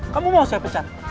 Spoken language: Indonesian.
kamu mau saya pecat